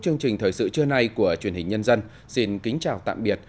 chương trình thời sự trưa nay của truyền hình nhân dân xin kính chào tạm biệt